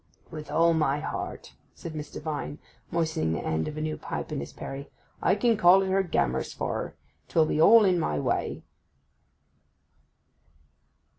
'With all my heart,' said Mr. Vine, moistening the end of a new pipe in his perry. 'I can call at her grammer's for her—'twill be all in my way.